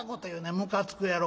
むかつくやろ。